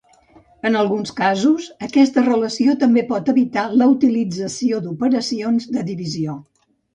En alguns casos aquesta relació pot també evitar la utilització d'operacions de divisió.